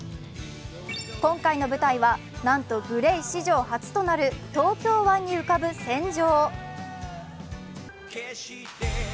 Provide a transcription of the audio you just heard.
今回の舞台はなんとＧＬＡＹ史上初となる東京湾に浮かぶ船上。